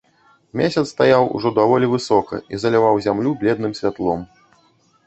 Месяц стаяў ужо даволі высока і заліваў зямлю бледным святлом.